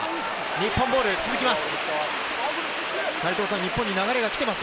日本ボールが続きます。